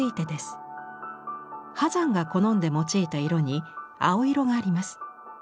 波山が好んで用いた色に青色があります。